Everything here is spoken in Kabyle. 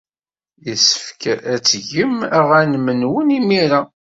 Yessefk ad tgem aɣanen-nwen imir-a.